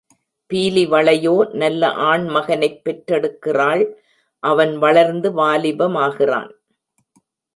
பீலிவளையோ நல்ல ஆண் மகனைப் பெற்றெடுக்கிறாள், அவன் வளர்ந்து வாலிபமாகிறான்.